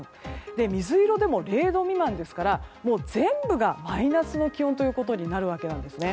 水色でも０度未満ですから全部がマイナスの気温ということになるわけなんです。